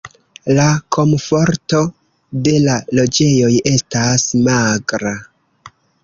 La komforto de la loĝejoj estas magra.